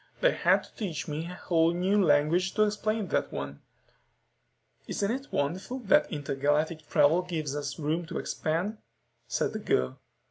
They had to teach me a whole new language to explain that one." "Isn't it wonderful that intergalactic travel gives us room to expand?" said the girl.